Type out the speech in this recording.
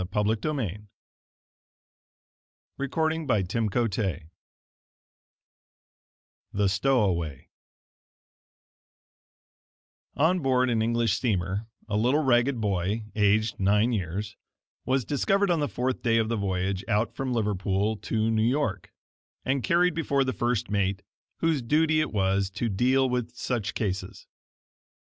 Brother H. P. in Christian Advocate THE STOWAWAY On board an English steamer a little ragged boy, aged nine years, was discovered on the fourth day of the voyage out from Liverpool to New York, and carried before the first mate, whose duty it was to deal with such cases.